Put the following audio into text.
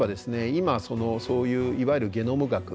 今そのそういういわゆるゲノム学。